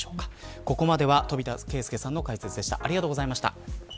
ここまでは飛田啓介さんの解説でした。